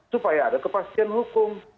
supaya ada kepastian hukum